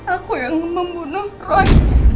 aku yang membunuh roy